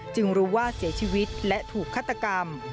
รู้ว่าเสียชีวิตและถูกฆาตกรรม